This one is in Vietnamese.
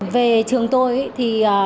về trường tôi